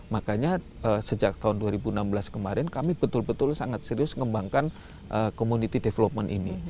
makanya sejak tahun dua ribu enam belas kemarin kami betul betul sangat serius mengembangkan community development ini